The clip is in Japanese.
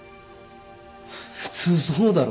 普通そうだろ？